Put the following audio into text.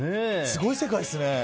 すごい世界ですね。